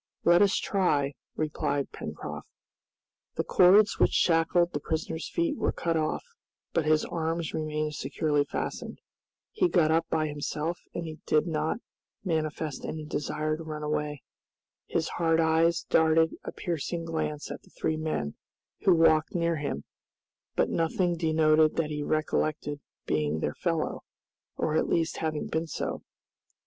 "Let us try," replied Pencroft. The cords which shackled the prisoner's feet were cut off, but his arms remained securely fastened. He got up by himself and did not manifest any desire to run away. His hard eyes darted a piercing glance at the three men, who walked near him, but nothing denoted that he recollected being their fellow, or at least having been so.